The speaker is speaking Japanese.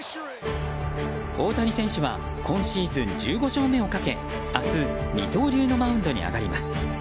大谷選手は今シーズン１５勝目をかけ明日、二刀流のマウンドに上がります。